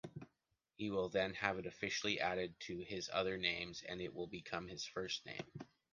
He will then have it officially added to his other names and it will become his first name.